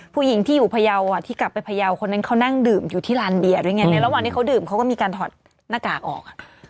ผู้หญิงที่อยู่พยาวที่กลับไปพยาวคนนั้นเขานั่งดื่มอยู่ที่ลานเบียร์ด้วยไงในระหว่างที่เขาดื่มเขาก็มีการถอดหน้ากากออก